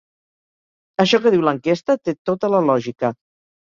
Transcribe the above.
Això que diu l’enquesta té tota la lògica.